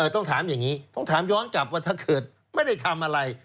ต้องถามอย่างนี้ต้องถามย้อนกลับว่าถ้าเกิดไม่ได้ทำอะไร